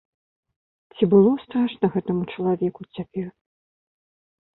Ці было страшна гэтаму чалавеку цяпер?